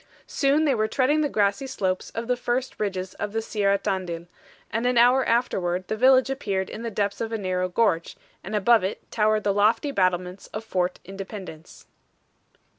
Soon they were treading the grassy slopes of the first ridges of the Sierra Tandil, and an hour afterward the village appeared in the depths of a narrow gorge, and above it towered the lofty battlements of Fort Independence.